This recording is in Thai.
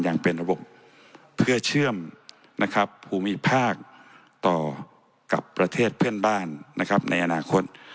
อย่างเป็นระบบเพื่อเชื่อมนะครับภูมิภาคต่อกับประเทศเพื่อนบ้านนะครับในอนาคต